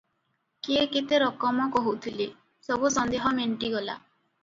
କିଏ କେତେ ରକମ କହୁଥିଲେ, ସବୁ ସନ୍ଦେହ ମେଣ୍ଟିଗଲା ।